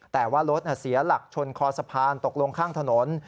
แต่ว่ารถเสียหลักชนคอสะพานตกลงข้างถนน